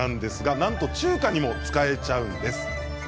なんと中華にも使えちゃうんです。